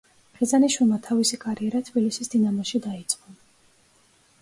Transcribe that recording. ხიზანიშვილმა თავისი კარიერა თბილისის „დინამოში“ დაიწყო.